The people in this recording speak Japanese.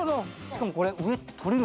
しかもこれ。